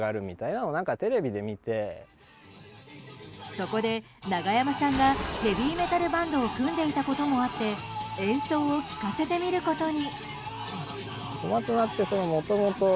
そこで、長山さんがヘビーメタルバンドを組んでいたこともあって演奏を聴かせてみることに。